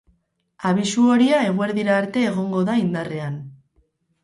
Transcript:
Abisu horia eguerdira arte egongo da indarrean.